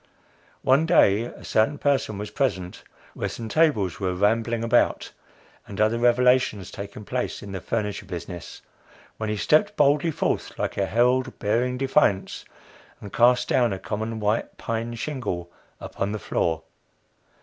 One day a certain person was present where some tables were rambling about, and other revolutions taking place in the furniture business, when he stepped boldly forth like a herald bearing defiance, and cast down a common white pine shingle upon the floor.